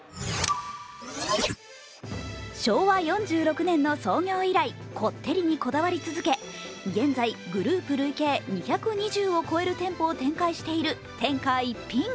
昭和４６年の創業以来こってりにこだわり続け、現在、グループ累計２２０を超える店舗を展開している天下一品。